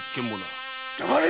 黙れ！